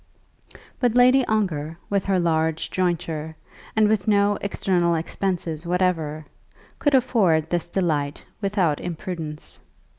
But Lady Ongar, with her large jointure, and with no external expenses whatever, could afford this delight without imprudence.